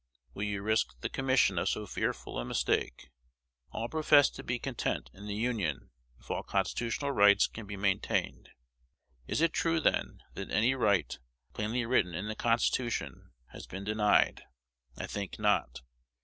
Will you risk the commission of so fearful a mistake? All profess to be content in the Union if all constitutional rights can be maintained. Is it true, then, that any right, plainly written in the Constitution, has been denied? I think not.